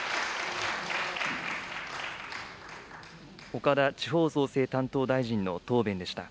岡田地方創生担当大臣の答弁でした。